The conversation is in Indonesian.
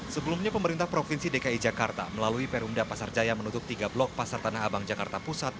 sebelumnya pemerintah provinsi dki jakarta melalui perumda pasar jaya menutup tiga blok pasar tanah abang jakarta pusat